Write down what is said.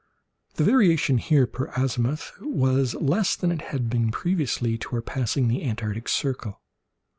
The variation here, per azimuth, was less than it had been previously to our passing the Antarctic circle.